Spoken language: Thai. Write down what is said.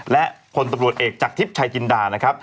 และคนตำรวจเอกจากทิพย์ชายจินดา